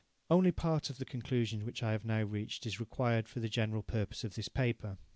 Only part of the conclusion which I have now reached is required for the general purpose of this paper.